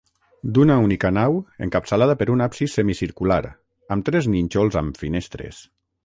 D'una única nau encapçalada per un absis semicircular, amb tres nínxols amb finestres.